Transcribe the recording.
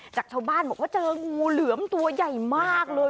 จากชาวบ้านบอกว่าเจองูเหลือมตัวใหญ่มากเลย